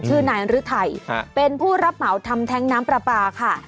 ชื่อนายฤทัยเป็นผู้รับเหมาทำแท้งน้ำปลาปลาค่ะ